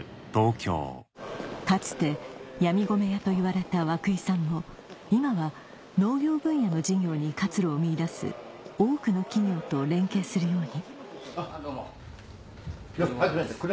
かつて「ヤミ米屋」といわれた涌井さんも今は農業分野の事業に活路を見いだす多くの企業と連携するようにどうも。はじめまして。